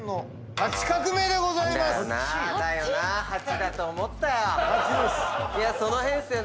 ８だと思ったよ！